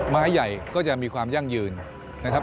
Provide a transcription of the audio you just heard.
ไม้ใหญ่ก็จะมีความยั่งยืนนะครับ